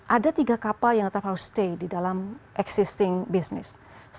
ada tiga kapal yang terlalu stay di dalam existing business